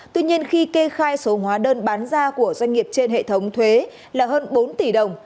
tuy nhiên khi kê khai số hóa đơn bán ra của doanh nghiệp trên hệ thống thuế là hơn bốn tỷ đồng